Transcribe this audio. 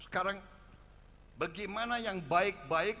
sekarang bagaimana yang baik baik